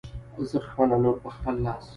زه خپله لور په خپل لاس